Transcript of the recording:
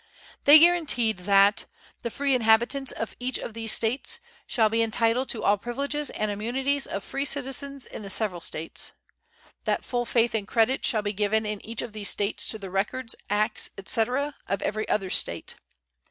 They guaranteed that "the free inhabitants of each of these States ... shall be entitled to all privileges and immunities of free citizens in the several States"; "that full faith and credit shall be given in each of these States to the records, acts, etc., of every other State."